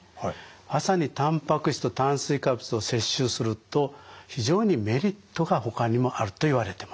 朝にたんぱく質と炭水化物を摂取すると非常にメリットがほかにもあるといわれてます。